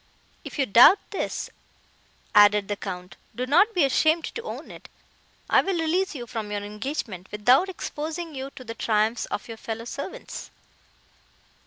"If you doubt this," added the Count, "do not be ashamed to own it; I will release you from your engagement, without exposing you to the triumphs of your fellow servants."